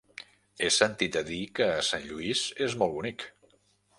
He sentit a dir que Sant Lluís és molt bonic.